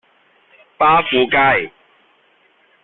巴富街